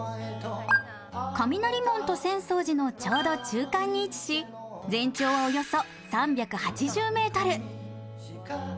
雷門と浅草寺のちょうど中間に位置し、全長、およそ３８０ｍ。